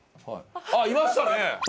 あっいましたね！